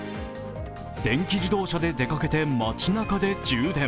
電気自動車で出かけて街中で充電。